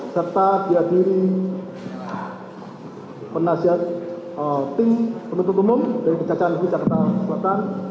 serta diadiri penasihat tim penutup umum dari kejahatan negeri jakarta selatan